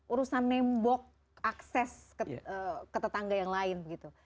urusan nembok akses ke tetangga yang lain gitu